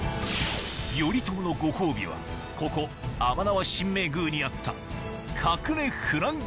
頼朝のご褒美はここ甘縄神明宮にあったえっ！